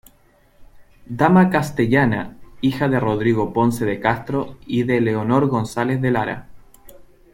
Dama castellana, hija de Rodrigo Ponce de Castro y de Leonor González de Lara.